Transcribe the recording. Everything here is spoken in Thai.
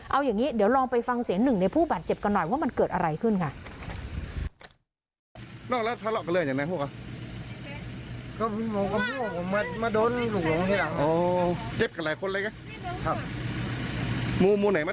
เอาอย่างนี้เดี๋ยวลองไปฟังเสียงหนึ่งในผู้บาดเจ็บกันหน่อยว่ามันเกิดอะไรขึ้นค่ะ